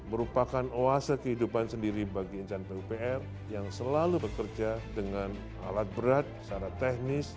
merupakan oase kehidupan sendiri bagi insan pupr yang selalu bekerja dengan alat berat secara teknis